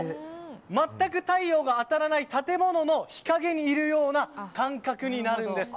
全く太陽が当たらない建物の日影にいるような感覚になるんです。